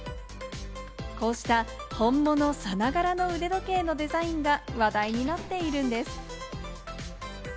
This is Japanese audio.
こうした本物さながらの腕時計のデザインが話題になっているんです。